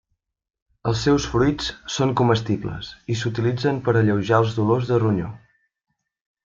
Els seus fruits són comestibles, i s'utilitzen per alleujar els dolors de ronyó.